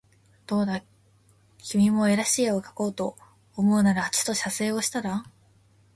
どうだ君も画らしい画をかこうと思うならちと写生をしたら